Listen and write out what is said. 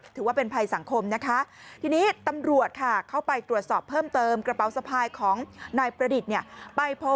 ถือว่าเป็นภัยสังคมนะคะทีนี้ตำรวจค่ะเข้าไปตรวจสอบเพิ่มเติมกระเป๋าสะพายของนายประดิษฐ์เนี่ยไปพบ